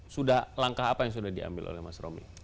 sudah langkah apa yang sudah diambil oleh mas romi